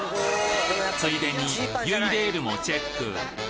ついでにゆいレールもチェック！